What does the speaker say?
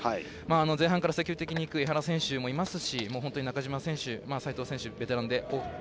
前半から積極的にいく江原選手もいますし本当に中島選手齊藤選手、ベテランです。